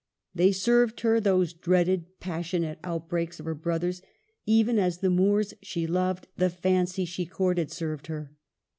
They served her, those dreaded, passionate outbreaks of her brother's, even as the moors she loved, the fancy she courted, served her.